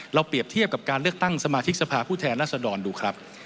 เปรียบเทียบกับการเลือกตั้งสมาธิกสภาผู้แทนรัศดรดูครับ